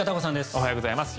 おはようございます。